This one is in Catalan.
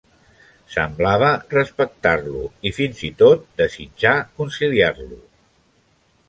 Semblava respectar-lo i fins i tot desitjar conciliar-lo.